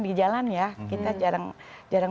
di jalan ya kita jarang jarang